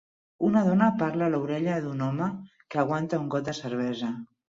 Una dona parla a l'orella d'un home que aguanta un got de cervesa.